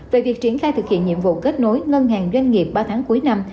về việc triển khai thực hiện nhiệm vụ kết nối ngân hàng doanh nghiệp ba tháng cuối năm